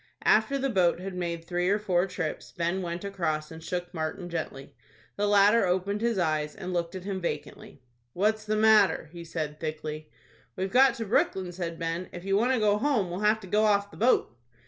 After the boat had made three or four trips, Ben went across and shook Martin gently. The latter opened his eyes, and looked at him vacantly. "What's the matter?" he said, thickly. "We've got to Brooklyn," said Ben. "If you want to go home, we'll have to go off the boat."